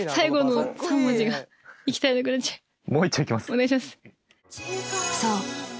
お願いします。